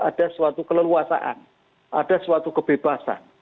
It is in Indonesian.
ada suatu keleluasaan ada suatu kebebasan